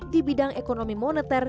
di bidang ekonomi moneter